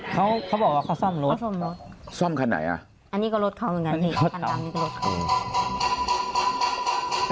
เค้าบอกว่าเค้าซ่อมรถซ่อมคันไหนอ่ะอันนี้ก็รถเค้าเหมือนกันอันนี้ก็รถเค้า